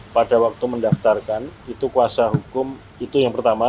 pada waktu mendaftarkan itu kuasa hukum itu yang pertama